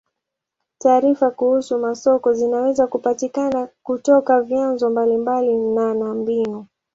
Taarifa kuhusu masoko zinaweza kupatikana kutoka vyanzo mbalimbali na na mbinu.